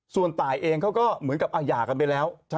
ส่วนตายเองเขาก็เหมือนกับหย่ากันไปแล้ว